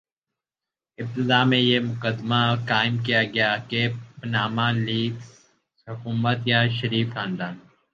ابتدا میں یہ مقدمہ قائم کیا گیا کہ پاناما لیکس حکومت یا شریف خاندان